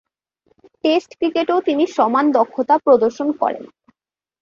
Test ক্রিকেটেও তিনি সমান দক্ষতা প্রদর্শন করেন।